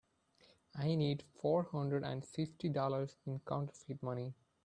I need four hundred and fifty dollars in counterfeit money.